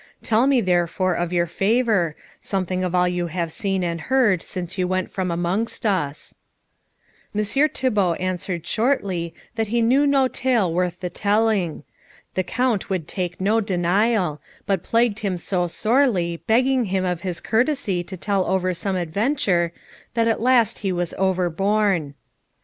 Tell me therefore, of your favour, something of all you have seen and heard since you went from amongst us." Messire Thibault answered shortly that he knew no tale worth the telling. The Count would take no denial, but plagued him so sorely, begging him of his courtesy to tell over some adventure, that at the last he was overborne.